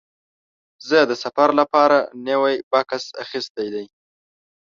زه د سفر لپاره نوی بکس اخیستی دی.